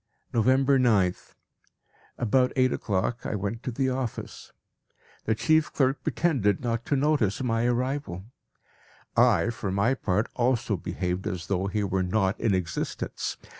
November 9th. About eight o'clock I went to the office. The chief clerk pretended not to notice my arrival. I for my part also behaved as though he were not in existence.